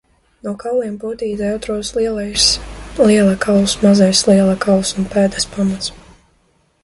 No kauliem potītē atrodas lielais liela kauls, mazais liela kauls un pēdas pamats.